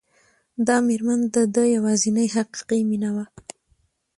دا مېرمن د ده يوازېنۍ حقيقي مينه وه.